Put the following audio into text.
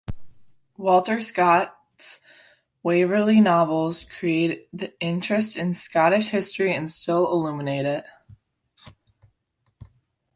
Walter Scott's Waverley novels created interest in Scottish history and still illuminate it.